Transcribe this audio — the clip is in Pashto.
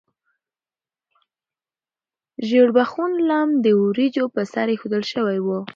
ژیړبخون لم د وریجو په سر ایښودل شوی و.